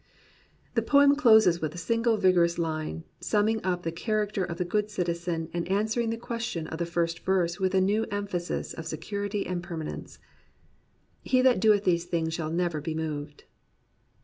The poem closes with a single vigourous line, sum ming up the character of the good citizen and an swering the question of the first verse with a new emphasis of security and permanence: He that doeth these things shall never be moved.